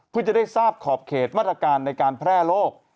เพื่อจะได้ทราบขอบเขตมาตรการในการแพร่โรค